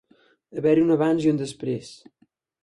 Haver-hi un abans i un després.